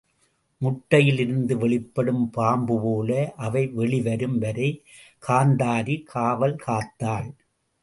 முட்டையில் இருந்து வெளிப்படும் பாம்பு போல அவை வெளிவரும் வரை காந்தாரி காவல் காத்தாள்.